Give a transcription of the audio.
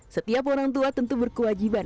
setiap orang tua tentu berkewajiban